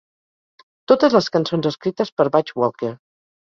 Totes les cançons escrites per Butch Walker.